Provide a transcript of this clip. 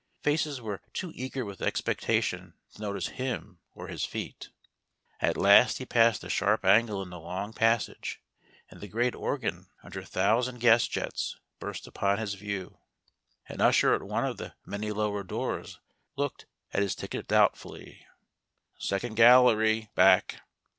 Faces were too eager with expectation to notice him or his feet. At last he passed a sharp angle in the long pas sage, and the great organ under thousand g a s jets burst upon his view. An usher at one of the many lower doors looked at his ticket doubtfully: "Second gallery — back."